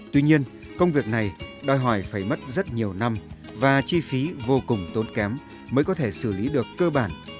tuy nhiên công việc này đòi hỏi phải mất rất nhiều năm và chi phí vô cùng tốn kém mới có thể xử lý được cơ bản